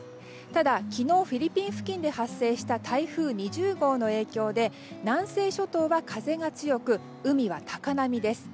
ただ、昨日フィリピン付近で発生した台風２０号の影響で南西諸島は風が強く海は高波です。